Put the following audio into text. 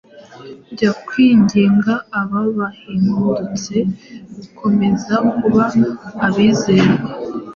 wo kwingingira aba bahindutse gukomeza kuba abizerwa,